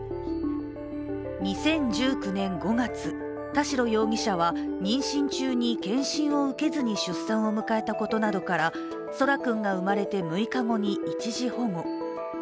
２０１９年５月、田代容疑者は妊娠中に健診を受けずに出産を迎えたことなどから空来君が生まれて６日後に一時保護。